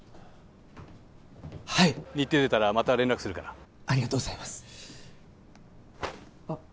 はい日程出たらまた連絡するからありがとうございますあっ